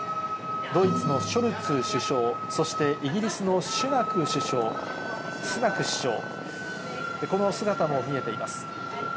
ドイツのショルツ首相、そしてイギリスのスナク首相、この姿も見えています。